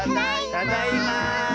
ただいま！